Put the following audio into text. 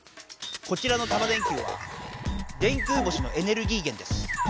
こちらのタマ電Ｑは電空星のエネルギーげんです。